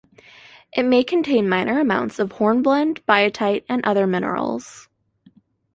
It may contain minor amounts of hornblende, biotite and other minerals.